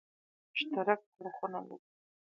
مشترک اړخونه لري.